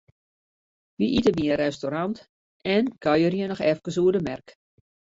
Wy ite by in restaurant en kuierje noch efkes oer de merk.